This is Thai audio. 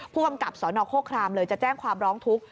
ผู้กำกับสนโครครามเลยจะแจ้งความร้องทุกข์